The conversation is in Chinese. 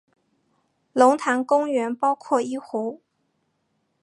龙潭公园包括一湖。